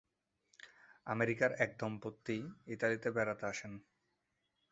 আমেরিকার এক দম্পতি ইতালিতে বেড়াতে আসেন।